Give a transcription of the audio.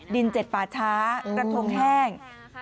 ดินเจ็ดปลาช้ากระทงแห้ง